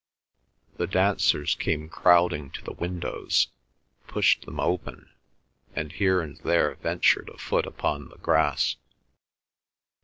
The dancers came crowding to the windows, pushed them open, and here and there ventured a foot upon the grass.